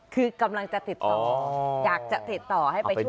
คือกำลังจะติดต่ออยากจะติดต่อให้ไปช่วย